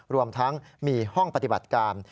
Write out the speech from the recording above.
รวมทั้งมีห้องปฏิบัติการ